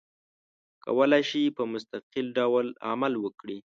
کولای شي په مستقل ډول عمل وکړي.